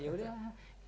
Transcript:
ya udah lah